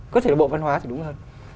có thể bộ văn hóa thì đúng hơn